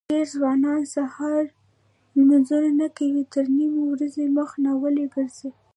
دېری ځوانان سهار لمنځونه نه کوي تر نیمې ورځې مخ ناولي ګرځي.